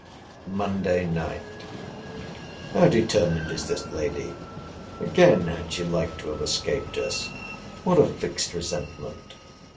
MONDAY NIGHT. How determined is this lady!—Again had she like to have escaped us!—What a fixed resentment!